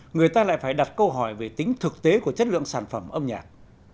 người ta lại phải đặt câu hỏi về tính thực tế của chất lượng sản phẩm âm nhạc